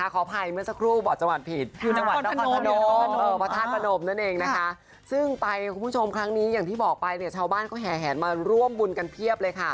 ขออภัยเมื่อสักครู่กดจังหวัดผิด